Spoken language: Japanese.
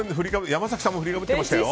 山崎さんも振りかぶってましたよ。